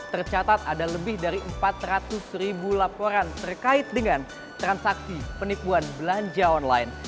tercatat ada lebih dari empat ratus ribu laporan terkait dengan transaksi penipuan belanja online